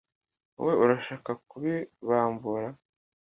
wowe urashaka kubibambura